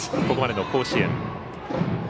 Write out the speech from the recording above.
ここまでの甲子園。